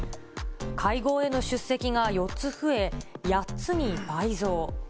会合への出席が４つ増え、８つに倍増。